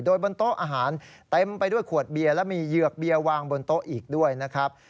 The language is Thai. โดยบนโต๊ะอาหารเต็มไปด้วยขวดเบียร์และมีเหยือกเบียวางบนโต๊ะอีกด้วยนะครับ